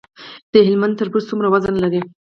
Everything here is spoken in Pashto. د هلمند تربوز څومره وزن لري؟